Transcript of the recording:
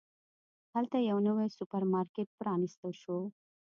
هلته یو نوی سوپرمارکېټ پرانستل شو.